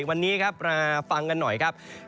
วันนี้ครับมาฟังกันหน่อยครับ